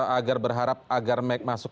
agar berharap agar masuk